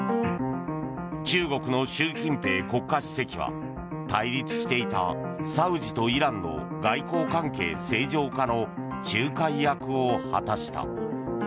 中国の習近平国家主席は対立していたサウジとイランの外交関係正常化の仲介役を果たした。